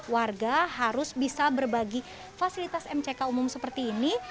warga harus bisa berbagi fasilitas mck umum seperti ini